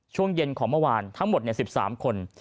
ช่วงเย็นของเมื่อวานทั้งหมด๑๓คน